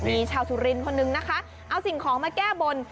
มีชาวสุรินทร์คนนึงนะคะเอาสิ่งของมาแก้บน